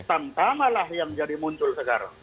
tamtamalah yang jadi muncul sekarang